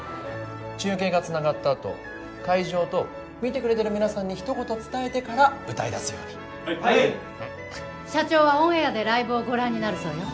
中継がつながったあと会場と見てくれてる皆さんにひと言伝えてから歌いだすようにはい社長はオンエアでライブをご覧になるそうよ